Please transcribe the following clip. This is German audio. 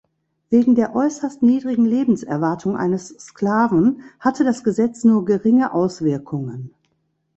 Wegen der äußerst niedrigen Lebenserwartung eines Sklaven hatte das Gesetz nur geringe Auswirkungen.